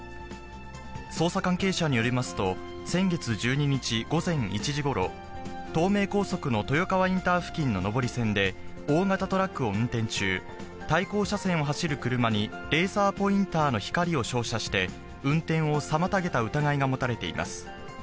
捜査関係者によりますと、先月１２日午前１時ごろ、東名高速の豊川インター付近の上り線で、大型トラックを運転中、対向車線を走る車にレーザーポインターの光を照射して、運転を妨げた疑いが持たれています。